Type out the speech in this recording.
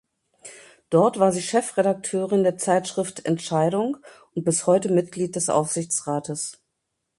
Dort war sie Chefredakteurin der Zeitschrift „Entscheidung“ und bis heute Mitglied des Aufsichtsrates.